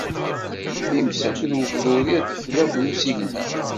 Times akked ubruri, adfel akked usigna.